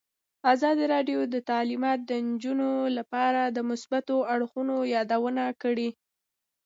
ازادي راډیو د تعلیمات د نجونو لپاره د مثبتو اړخونو یادونه کړې.